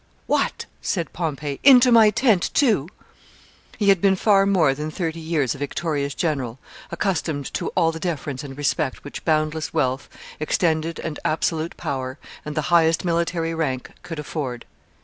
"What!" said Pompey, "into my tent too!" He had been for more than thirty years a victorious general, accustomed to all the deference and respect which boundless wealth, extended and absolute power, and the highest military rank could afford.